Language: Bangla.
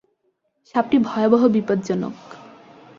সাপটি ভয়াবহ বিপজ্জনক।